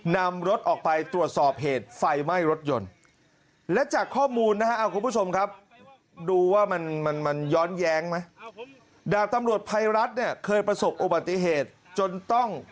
นำรถออกไปตรวจสอบเหตุไฟไหม้รถยนต์